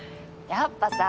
やっぱさ